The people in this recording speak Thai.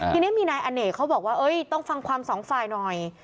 ทีนี้มีนายอเนกเขาบอกว่าต้องฟังความสองฝ่ายหน่อย